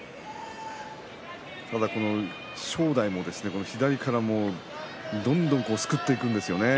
ただ、正代も左からどんどんすくっていくんですよね。